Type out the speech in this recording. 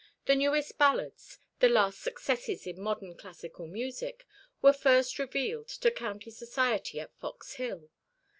The newest ballads, the last successes in modern classical music, were first revealed to county society at Fox Hill.